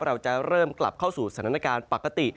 เราจะเริ่มกลับเข้าสู่สถานการณ์ปกติ